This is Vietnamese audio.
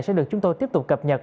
sẽ được chúng tôi tiếp tục cập nhật